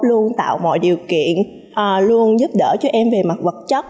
luôn tạo mọi điều kiện luôn giúp đỡ cho em về mặt vật chất